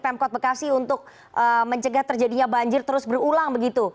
pemkot bekasi untuk mencegah terjadinya banjir terus berulang begitu